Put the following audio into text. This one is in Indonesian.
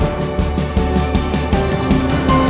nah antarin aku ke dalam ya